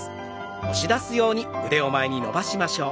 押し出すように前に伸ばしましょう。